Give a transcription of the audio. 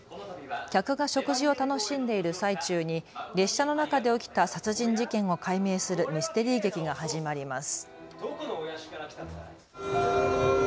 客が食事を楽しんでいる最中に列車の中で起きた殺人事件を解明するミステリー劇が始まります。